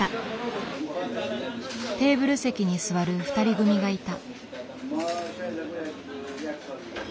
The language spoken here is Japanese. テーブル席に座る２人組がいた。